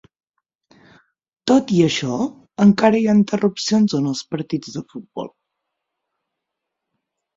Tot i això, encara hi ha interrupcions en els partits de futbol.